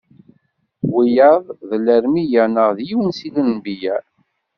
Wiyaḍ: d Irmiya, neɣ d yiwen si lenbiya.